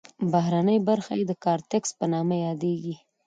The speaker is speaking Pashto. بهرنۍ برخه یې کارتکس په نامه یادیږي.